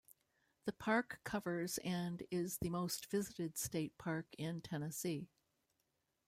The park covers and is the most visited state park in Tennessee.